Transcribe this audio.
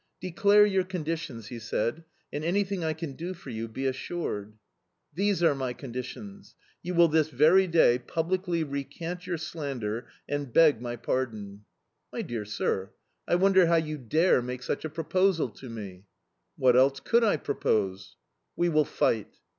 "Declare your conditions," he said, "and anything I can do for you, be assured"... "These are my conditions: you will this very day publicly recant your slander and beg my pardon"... "My dear sir, I wonder how you dare make such a proposal to me?" "What else could I propose?"... "We will fight."